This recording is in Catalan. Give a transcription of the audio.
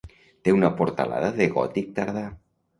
té una portalada de gòtic tardà